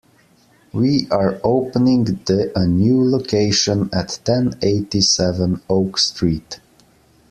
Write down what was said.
We are opening the a new location at ten eighty-seven Oak Street.